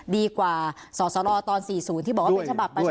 ดีกว่าสสรตอน๔๐ที่บอกว่าเป็นฉบับประชาชน